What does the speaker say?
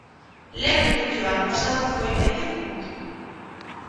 Lémbrolle que o ano pasado foi medio punto.